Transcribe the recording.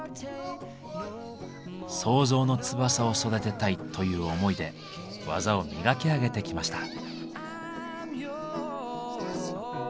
「創造の翼を育てたい」という思いで技を磨き上げてきました。